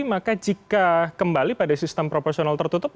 maka jika kembali pada sistem proporsional tertutup